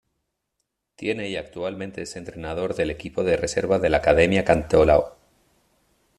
Tiene y actualmente es entrenador del equipo de Reserva de la Academia Cantolao.